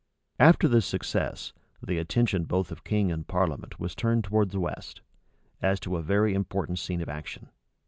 [*] After this success, the attention both of king and parliament was turned towards the west, as to a very important scene of action.